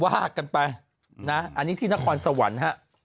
ว่ากันไปนะอันนี้ที่นครสวรรค์ฮะ